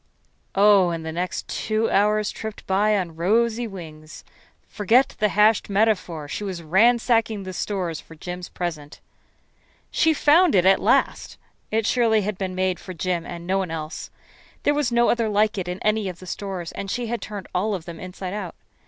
Oh, and the next two hours tripped by on rosy wings. Forget the hashed metaphor. She was ransacking the stores for Jim's present. She found it at last. It surely had been made for Jim and no one else. There was no other like it in any of the stores, and she had turned all of them inside out.